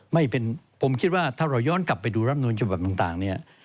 ไม่เป็นผมคิดว่าถ้าเราย้อนกลับไปดูรัฐมนูญจุบัตรต่าง